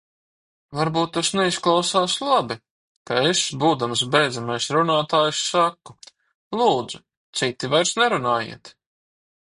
Varbūt tas neizklausās labi, ka es, būdams beidzamais runātājs, saku: lūdzu, citi vairs nerunājiet!